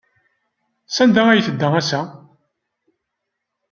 Sanda ay tedda ass-a?